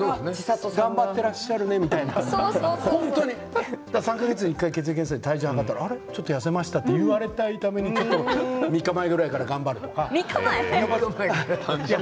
頑張っていらっしゃるとか３か月に１回、血液検査で体重を測ってちょっと痩せましたねと言われたいから３日前から頑張るとか。